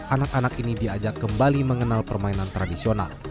anak anak ini diajak kembali mengenal permainan tradisional